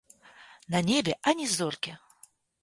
На небе ані зоркі.